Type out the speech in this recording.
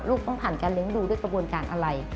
ต้องผ่านการเลี้ยงดูด้วยกระบวนการอะไร